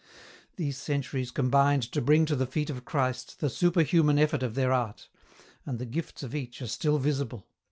These centuries combined to bring to the feet of Christ the super human effort of their art, and the gifts of each are still visible.